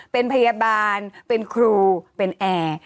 เป็นพยาบาลเป็นครูเป็นแอร์